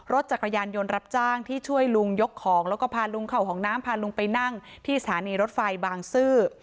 รถจักรยานยนต์รับจ้างที่ช่วยลุงยกของแล้วก็พาลุงเข้าห้องน้ำพาลุงไปนั่งที่สถานีรถไฟบางซื่อ